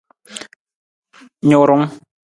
Nurung.